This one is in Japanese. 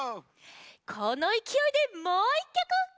このいきおいでもう１きょく。